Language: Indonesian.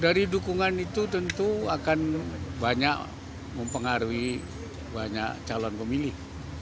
dari dukungan itu tentu akan banyak mempengaruhi banyak calon pemilih